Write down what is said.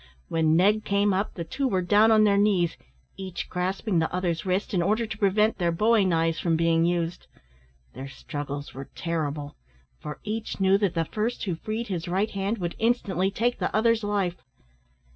When Ned came up, the two were down on their knees, each grasping the other's wrist in order to prevent their bowie knives from being used. Their struggles were terrible; for each knew that the first who freed his right hand would instantly take the other's life.